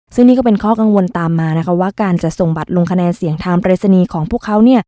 ซึ่งนี่ก็เป็นข้อกังวลตามมานะคะว่าการจะส่งบัตรลงคะแนนเสียงทางปริศนีย์ของพวกเขา